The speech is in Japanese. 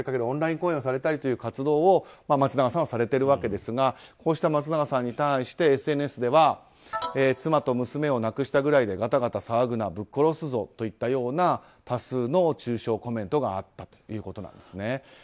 オンライン講演をされたりという活動を松永さんはされているわけですがこうした松永さんに対してＳＮＳでは妻と娘を亡くしたぐらいでガタガタ騒ぐなぶっ殺すぞといったような多数の中傷コメントがあったということなんですね。